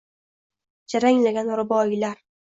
Jaranglagan ruboiylar!